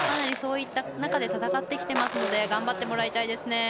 そういった中で戦っているので頑張ってもらいたいです。